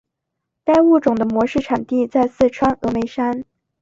该物种的模式产地在四川峨眉山。